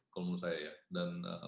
kalau menurut saya ya